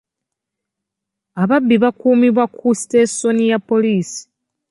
Ababbi bakuumibwa ku sitesoni ya poliisi.